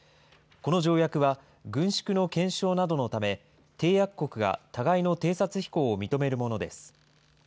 この条約は軍縮の検証などのため、締約国が互いの偵察飛行を認めるものです。